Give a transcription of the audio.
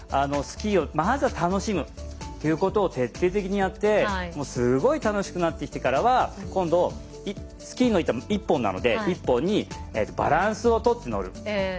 スキーをまずは楽しむということを徹底的にやってすごい楽しくなってきてからは今度、スキーの板も１本なので１本にバランスを取って乗る。